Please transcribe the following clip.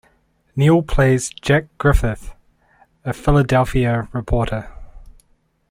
Neal plays Jack Griffith, a Philadelphia reporter.